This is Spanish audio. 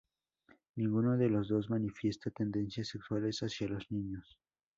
Ninguno de los dos manifiesta tendencias sexuales hacia los niños.